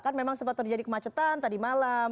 kan memang sempat terjadi kemacetan tadi malam